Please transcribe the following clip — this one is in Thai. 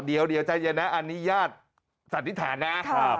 เดี๋ยวใจเย็นนะอันนี้ญาติสันนิษฐานนะ